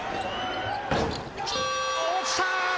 落ちた！